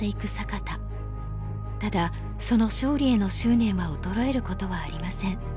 ただその勝利への執念は衰えることはありません。